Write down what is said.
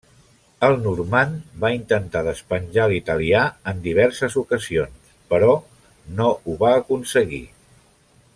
El normand va intentar despenjar l'italià en diverses ocasions, però no ho va aconseguir.